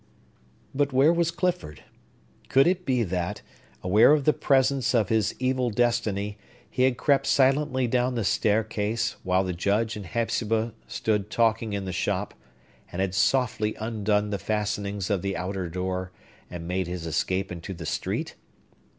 But where was Clifford? Could it be that, aware of the presence of his Evil Destiny, he had crept silently down the staircase, while the Judge and Hepzibah stood talking in the shop, and had softly undone the fastenings of the outer door, and made his escape into the street?